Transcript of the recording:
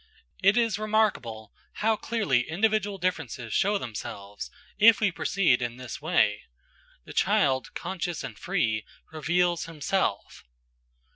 It is remarkable how clearly individual differences show themselves, if we proceed in this way; the child, conscious and free, reveals himself.